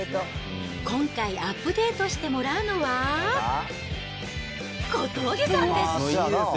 今回、アップデートしてもらうのは、小峠さんです。